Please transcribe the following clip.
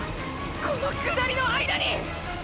この下りの間に！！